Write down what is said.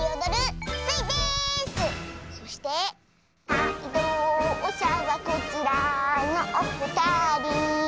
「かいとうしゃはこちらのおふたり」